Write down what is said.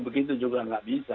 begitu juga tidak bisa